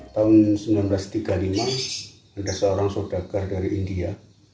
tahun seribu sembilan ratus tiga puluh lima ada seorang saudagar dari india